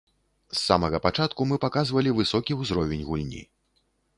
З самага пачатку мы паказвалі высокі ўзровень гульні.